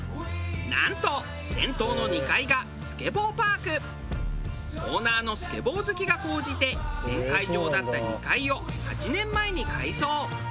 なんと銭湯のオーナーのスケボー好きが高じて宴会場だった２階を８年前に改装。